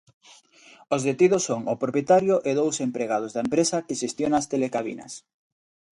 Os detidos son o propietario e dous empregados da empresa que xestiona as telecabinas.